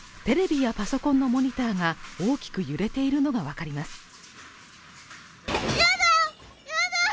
テレビやパソコンのモニターが大きく揺れているのがわかります。